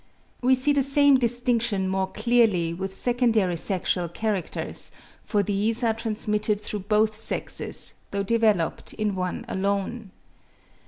We see the same distinction more clearly with secondary sexual characters, for these are transmitted through both sexes, though developed in one alone.